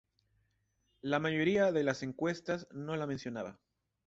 La mayoría de las encuestas no la mencionaba.